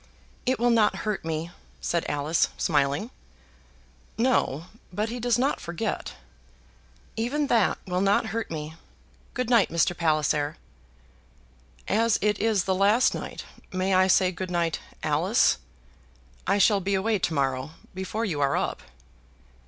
"It will not hurt me," said Alice, smiling. "No; but he does not forget." "Even that will not hurt me. Good night, Mr. Palliser." "As it is the last night, may I say good night, Alice? I shall be away to morrow before you are up."